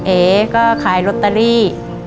เอ๋ก็ขายลอตเตอรี่